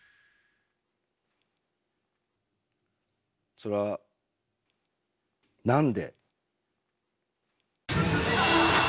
それは。なんで。